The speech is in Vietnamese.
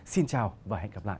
xin chào và hẹn gặp lại